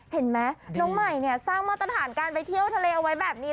เห็นไหมน้องใหม่เนี่ยสร้างมาตรฐานการไปเที่ยวทะเลเอาไว้แบบนี้